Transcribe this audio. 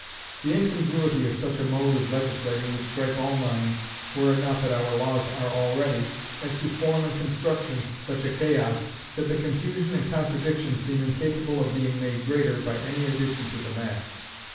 The incongruity of such a mode of legislating would strike all minds, were it not that our laws are already, as to form and construction, such a chaos, that the confusion and contradiction seem incapable of being made greater by any addition to the mass.